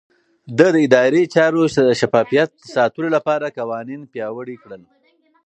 ده د ادارې چارو د شفافيت ساتلو لپاره قوانين پياوړي کړل.